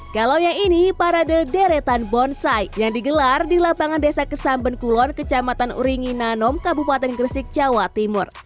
kalau yang ini para dederetan bonsai yang digelar di lapangan desa kesambenkulon kecamatan uringi nanom kabupaten gresik jawa timur